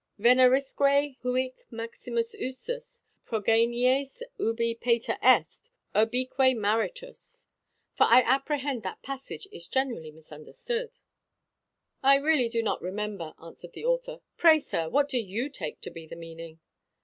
_ Venerisque huic maximus usus Progenies; urbi Pater est, urbique Maritus._ For I apprehend that passage is generally misunderstood." "I really do not remember," answered the author. "Pray, sir, what do you take to be the meaning?"